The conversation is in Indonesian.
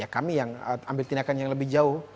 kami yang ambil tindakan yang lebih jauh